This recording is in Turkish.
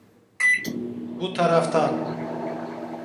Bu taraftan.